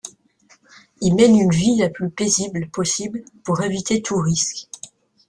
Il mène une vie la plus paisible possible pour éviter tout risque.